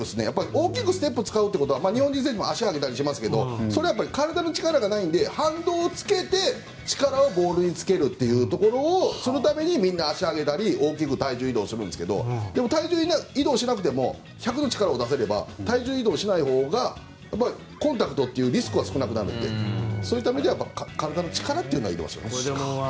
大きくステップ使うということは日本人選手もよく大きく足を上げますけど反動をつけて力をボールにつけるためにみんな足を上げたり大きく体重移動をするんですが体重移動しなくても１００の力を出せれば体重移動しないほうがコンタクトというリスクが少なくなるのでそういうためには体の力というのはいります。